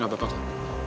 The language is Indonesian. gak apa apa kak